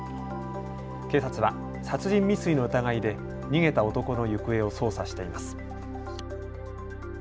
警察は殺人未遂の疑いで逃げた男の行方を捜査しています。